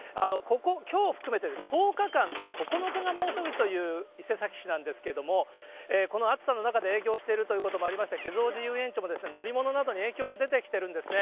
きょうを含めて、１０日間で９日が猛暑日という伊勢崎市なんですけれども、この暑さの中で営業しているということもありまして、華蔵寺遊園地も、乗り物などに影響が出てきているんですね。